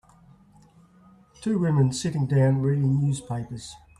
Two women sitting down reading newspapers.